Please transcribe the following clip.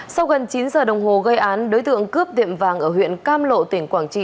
sau gần chín giờ đồng hồ gây án đối tượng cướp tiệm vàng ở huyện cam lộ tỉnh quảng trị